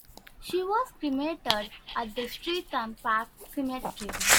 She was cremated at Streatham Park Cemetery.